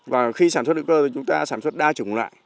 và khi sản xuất hữu cơ thì chúng ta sản xuất đa chủng loại